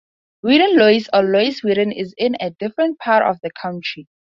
Weedon Lois or Lois Weedon is in a different part of the county.